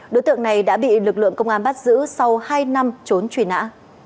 đối tượng này đã bị lực lượng công an bắt giữ sau hai năm trốn truy nã